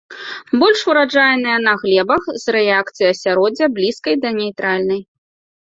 Больш ураджайныя на глебах з рэакцыяй асяроддзя блізкай да нейтральнай.